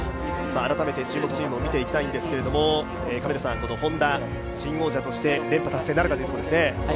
改めて注目チームを見ていきたいんですけど、Ｈｏｎｄａ、新王者として連覇達成なるかというところですね。